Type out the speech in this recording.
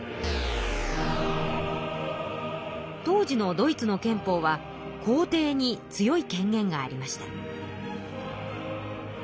当時のドイツの憲法は皇帝に強い権限がありました。